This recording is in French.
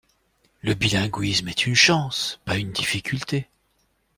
Le bilinguisme est une chance, pas une difficulté.